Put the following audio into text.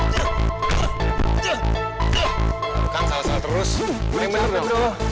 bukan salah salah terus gue yang menurut kau